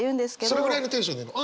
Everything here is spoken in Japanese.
それぐらいのテンションで言うの？